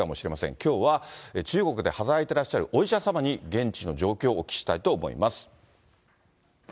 きょうは中国で働いてらっしゃるお医者様に、現地の状況をお聞きしたいと思います。